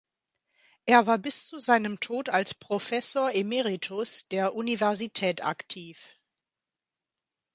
Er war bis zu seinem Tod als Professor emeritus der Universität aktiv.